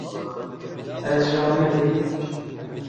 Ez ji Amedê me.